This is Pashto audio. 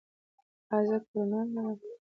ایا زه کرونا لرم؟